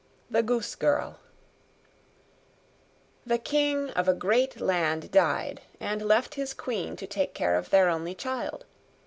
THE GOOSE GIRL The king of a great land died, and left his queen to take care of their only child.